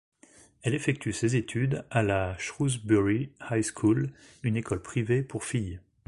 Elle effectue ses études à la Shrewsbury High School, une école privée pour filles.